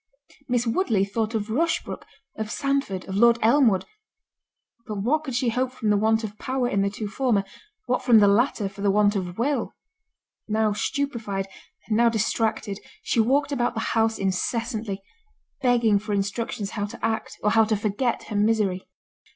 Miss Woodley thought of Rushbrook, of Sandford, of Lord Elmwood—but what could she hope from the want of power in the two former?—what from the latter, for the want of will? Now stupified, and now distracted, she walked about the house incessantly, begging for instructions how to act, or how to forget her misery.